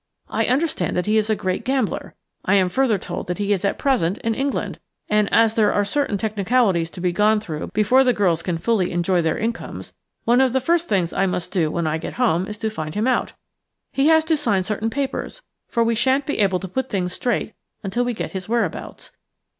I understand that he is a great gambler; I am further told that he is at present in England, and, as there are certain technicalities to be gone through before the girls can fully enjoy their incomes, one of the first things I must do when I get home is to find him out. He has to sign certain papers, for we sha'n't be able to put things straight until we get his whereabouts.